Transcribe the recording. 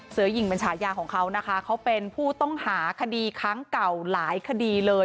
หญิงเป็นฉายาของเขานะคะเขาเป็นผู้ต้องหาคดีครั้งเก่าหลายคดีเลย